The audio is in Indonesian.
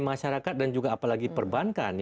masyarakat dan juga apalagi perbankan